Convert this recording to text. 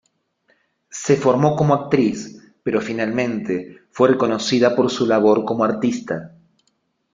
Se formó como actriz pero finalmente fue reconocida por su labor como artista.